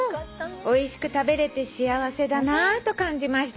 「おいしく食べれて幸せだなと感じました」